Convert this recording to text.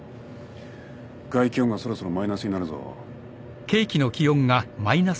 外気温がそろそろマイナスになるぞ。